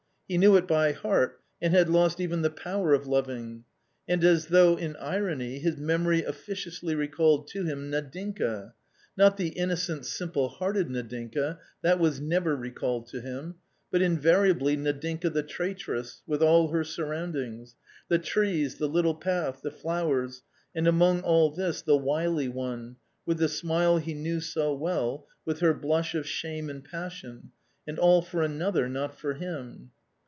He knew it by heart, and had lost even the power of loving. And as though in irony his memory officiously recalled to him Nadinka, not the innocent, simple hearted Nadinka — that was never recalled to him — but invariably Nadinka the traitress, with all her surroundings : the trees, the little path, the flowers, and among all this the wily one, with the smile he knew so well, with her blush of shame and passion — and all for another, not for him